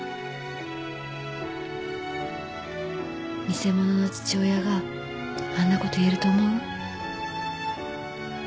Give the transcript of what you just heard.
偽者の父親があんなこと言えると思う？